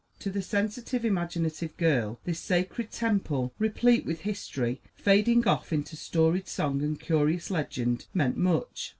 To the sensitive, imaginative girl this sacred temple, replete with history, fading off into storied song and curious legend, meant much.